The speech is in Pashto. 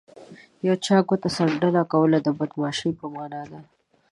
یو چاته ګوت څنډنه کول د بدماشۍ په مانا ده